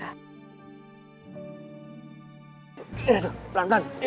mas raffi begitu mencintai mira